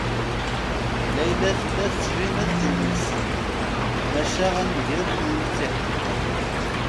Layla tella tettbin-d timelsit maca a nnger n win i tt-iḥemmlen.